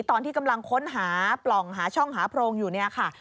ตอนที่กำลังค้นหาปล่องหาช่องหาโพรงอยู่เนี่ยค่ะ